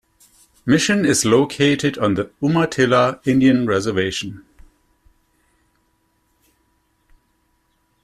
Mission is located on the Umatilla Indian Reservation.